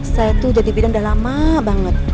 saya itu jadi bidan udah lama banget